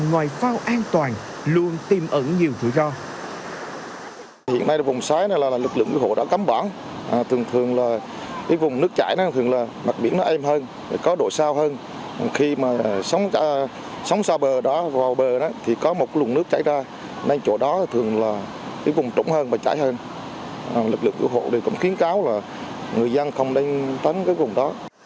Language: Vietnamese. ngoài phao an toàn luôn tìm ẩn nhiều vụ do